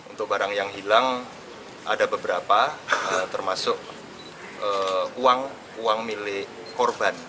untuk barang yang hilang ada beberapa termasuk uang milik korban